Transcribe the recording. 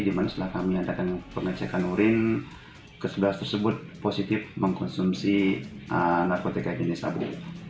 di mana setelah kami adakan pengecekan urin kesebelas tersebut positif mengkonsumsi narkoba jenis sabu